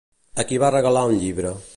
A qui va regalar un llibre?